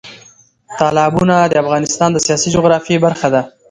تالابونه د افغانستان د سیاسي جغرافیه برخه ده.